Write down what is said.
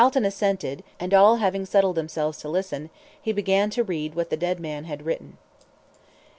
Calton assented, and all having settled themselves to listen, he began to read what the dead man had written.